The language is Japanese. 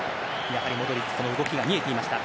やはりモドリッチその動きが見えていました。